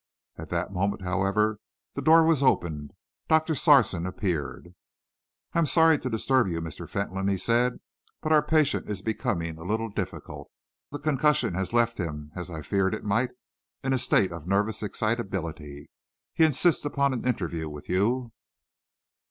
At that moment, however, the door was opened. Doctor Sarson appeared. "I am sorry to disturb you, Mr. Fentolin," he said, "but our patient is becoming a little difficult. The concussion has left him, as I feared it might, in a state of nervous excitability. He insists upon an interview with you."